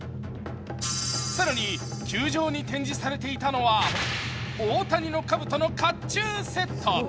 更に、球場に展示されていたのは、大谷のかぶとのかっちゅうセット。